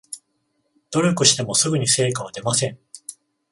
努力してもすぐに成果は出ません